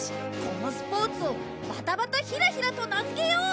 このスポーツを「バタバタヒラヒラ」と名付けよう。